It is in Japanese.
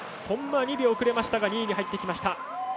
コンマ２秒遅れましたが２位に入ってきました。